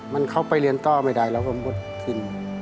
มันเข้าไปเรียนต่อไม่ได้เราก็หมดสิ้น